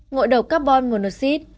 ngộ độc carbon monoxid